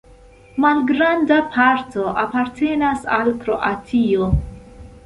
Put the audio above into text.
Malgranda parto apartenas al Kroatio.